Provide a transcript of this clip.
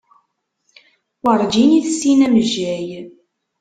Werǧin i tessin amejjay.